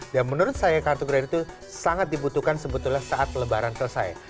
dan menurut saya kartu kredit itu sangat dibutuhkan sebetulnya saat lebaran selesai